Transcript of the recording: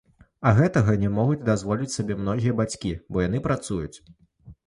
А гэтага не могуць дазволіць сабе многія бацькі, бо яны працуюць.